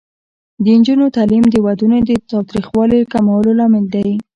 د نجونو تعلیم د ودونو تاوتریخوالي کمولو لامل دی.